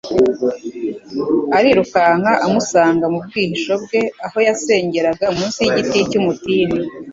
arirukanka amusanga mu bwihisho bwe aho yasengeraga munsi y'igiti cy'umutini.